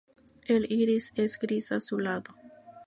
El iris es gris azulado.